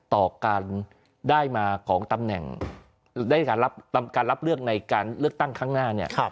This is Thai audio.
ต่อการได้มาของตำแหน่งได้การรับเลือกในการเลือกตั้งครั้งหน้าเนี่ย